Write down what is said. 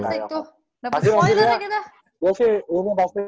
nanti gua sih gua sih